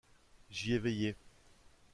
J’y ai veillé.